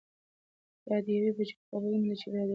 دا د یوې بجې خبرونه دي چې له راډیو څخه خپرېږي.